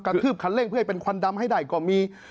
กระทืปคันเลขให้คั่นดำให้ได้ก็มี